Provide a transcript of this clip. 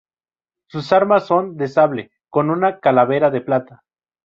Sus armas son: De sable, con una calavera de plata.